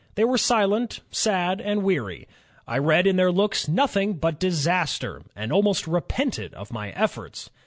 They were silent, sad, and weary. I read in their looks nothing but disaster, and almost repented of my efforts.